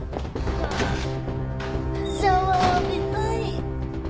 ああシャワー浴びたい！